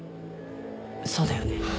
そうだよね。